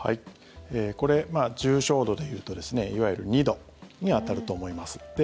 これ、重症度で言うといわゆる２度に当たると思います。